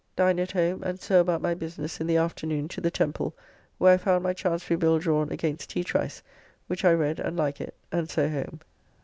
Dined at home, and so about my business in the afternoon to the Temple, where I found my Chancery bill drawn against T. Trice, which I read and like it, and so home.